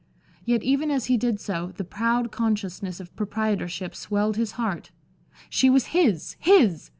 Yet, even as he did so, the proud consciousness of proprietorship swelled his heart. She was his his!